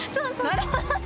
なるほどね。